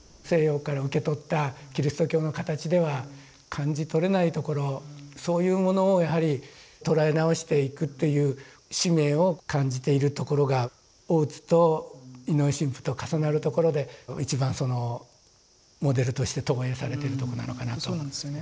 西洋から受け取ったキリスト教の形では感じとれないところそういうものをやはり捉え直していくっていう使命を感じているところが大津と井上神父と重なるところで一番モデルとして投影されてるところなのかなと思います。